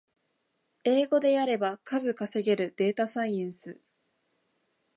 英語でやれば数稼げるデータサイエンス